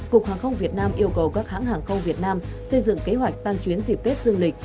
cục hàng không việt nam yêu cầu các hãng hàng không việt nam xây dựng kế hoạch tăng chuyến dịp tết dương lịch